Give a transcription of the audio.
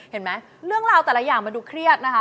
เห็นไหมเรื่องราวแต่ละอย่างมันดูเครียดนะคะ